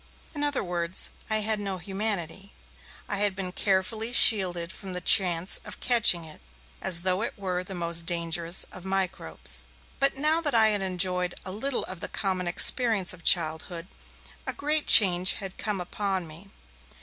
In other words, I had no humanity; I had been carefully shielded from the chance of 'catching' it, as though it were the most dangerous of microbes. But now that I had enjoyed a little of the common experience of childhood, a great change had come upon me.